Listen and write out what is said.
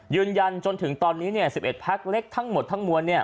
ยืนยันจนถึงตอนนี้๑๑พักเล็กทั้งหมดทั้งมวล